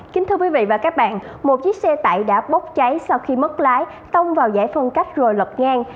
kính thưa quý vị và các bạn một chiếc xe tải đã bốc cháy sau khi mất lái tông vào giải phân cách rồi lật ngang